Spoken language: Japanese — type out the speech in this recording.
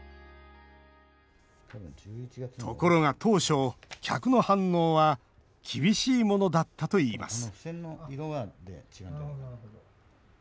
ところが当初、客の反応は厳しいものだったといいます